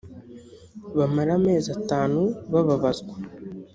bamare amezi atanu bababazwa